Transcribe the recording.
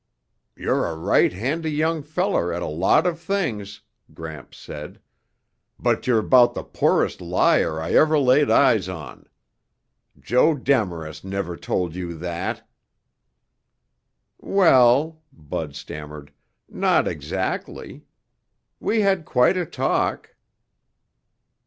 "You're a right handy young feller at a lot of things," Gramps said. "But you're 'bout the poorest liar I ever laid eyes on. Joe Demarest never told you that." "Well," Bud stammered, "not exactly. We had quite a talk."